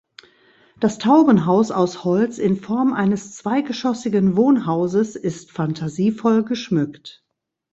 Das Taubenhaus aus Holz in Form eines zweigeschossigen Wohnhauses ist fantasievoll geschmückt.